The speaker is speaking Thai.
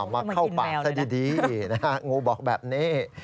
มาเข้าปากซะดีนะฮะงูบอกแบบนี้